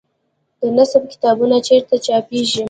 د نصاب کتابونه چیرته چاپیږي؟